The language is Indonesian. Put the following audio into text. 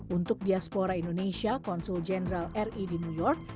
untuk diaspora indonesia konsul jenderal ri di new york